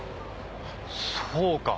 そうか。